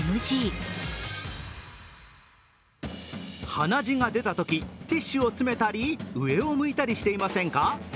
鼻血が出たとき、ティッシュを詰めたり、上を向いたりしていませんか？